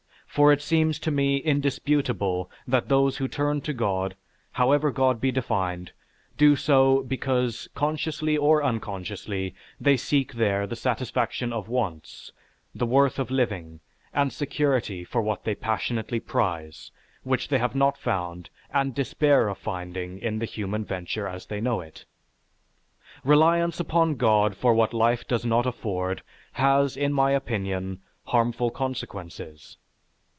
For it seems to me indisputable that those who turn to God, however God be defined, do so because, consciously or unconsciously, they seek there the satisfaction of wants, the worth of living, and security for what they passionately prize, which they have not found and despair of finding in the human venture as they know it. Reliance upon God for what life does not afford, has, in my opinion, harmful consequences.